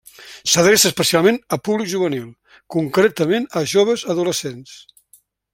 S’adreça especialment a públic juvenil, concretament a joves adolescents.